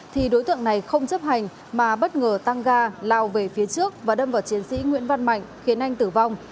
thì đối tượng này không chấp hành mà bất ngờ tăng ga lao về phía trước và đâm vào chiến sĩ nguyễn văn mạnh khiến anh tử vong